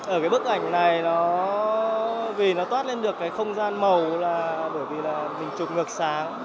ở cái bức ảnh này nó vì nó toát lên được cái không gian màu là bởi vì là hình chụp ngược sáng